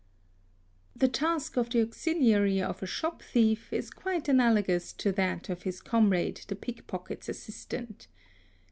The task of the auxiliary of the shop thief is quite analogous to that of his comrade the pickpocket's assistant.